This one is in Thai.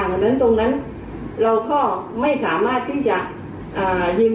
เราต้องถึงให้เด็กตัวนี้เร่งรวมตอนนี้นะ